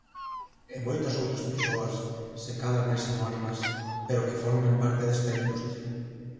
E moitas outras persoas, se cadra máis anónimas, pero que forman parte desta industria.